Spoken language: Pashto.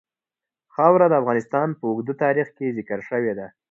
خاوره د افغانستان په اوږده تاریخ کې ذکر شوې ده.